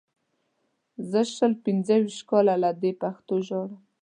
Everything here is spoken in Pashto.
زه شل پنځه ویشت کاله له دې پښتو ژاړم.